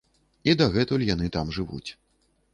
І дагэтуль яны там жывуць.